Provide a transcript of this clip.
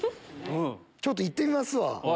ちょっと行ってみますわ。